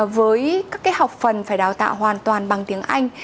với các học phần phải đào tạo hoàn toàn bằng tiếng anh